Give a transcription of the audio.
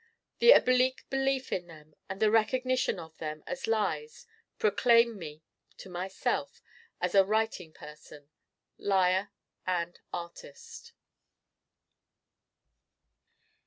The oblique belief in them and the recognition of them as lies proclaim me to myself, as a writing person: Liar and Artist.